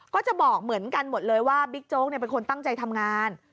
ก็จะบอกเหมือนกันหมดเลยว่าบิ๊กโจ๊กเป็นคนตั้งใจทำงาน